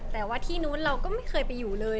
แต่ว่าที่นู้นเราก็ไม่เคยไปอยู่เลย